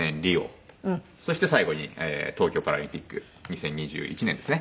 そして最後に東京パラリンピック２０２１年ですね。